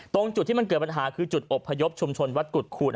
ตรงจุดที่มันเกิดปัญหาคือจุดอบพยพชุมชนวัดกุฎขูด